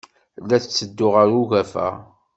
La netteddu ɣer ugafa.